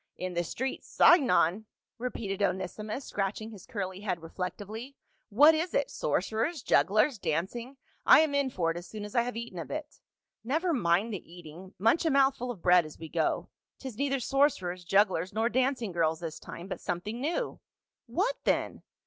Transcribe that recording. " In the street Singon !" repeated Onesimus, scratch ing his curly head reflectively. " What is it, sorcerers, jugglers, dancing? I am in for it as soon as I have eaten a bit." " Never mind the eating, munch a mouthful of bread as we go ; 'tis neither sorcerers, jugglers, nor dancing girls this time, but something new." "What then?"